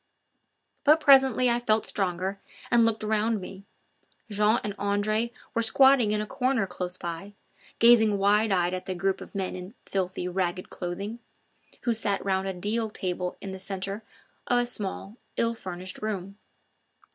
But presently I felt stronger and looked around me again. Jean and Andre were squatting in a corner close by, gazing wide eyed at the group of men in filthy, ragged clothing, who sat round a deal table in the centre of a small, ill furnished room.